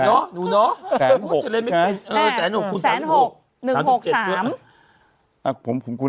น้องน้องน้องจะเล่นไม่เป็นใช่มั้ยแสดงห่วงคุณ๓๖